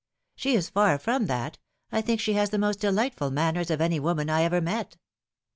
" She is far from that. I think she has the most delightful manners of any woman I ever met."